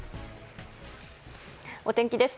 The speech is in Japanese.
お天気です。